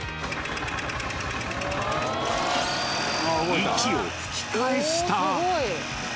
息を吹き返した。